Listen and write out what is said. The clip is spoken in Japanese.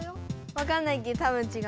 わかんないけどたぶんちがう。